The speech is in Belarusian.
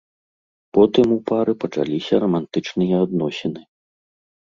Потым у пары пачаліся рамантычныя адносіны.